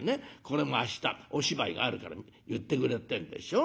これも明日お芝居があるから結ってくれってえんでしょ。